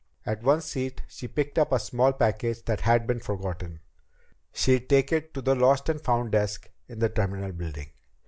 At one seat she picked up a small package that had been forgotten. She'd take it to the Lost and Found desk in the terminal building.